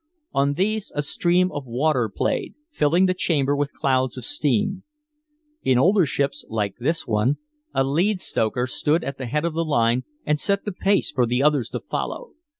On these a stream of water played, filling the chamber with clouds of steam. In older ships, like this one, a "lead stoker" stood at the head of the line and set the pace for the others to follow.